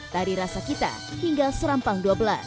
tari rasa kita hingga serampang dua belas